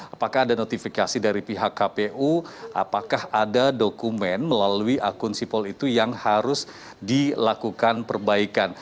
apakah ada notifikasi dari pihak kpu apakah ada dokumen melalui akun sipol itu yang harus dilakukan perbaikan